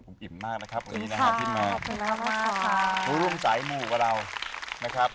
มีค่ะอยู่เยอะเหมือนกันค่ะ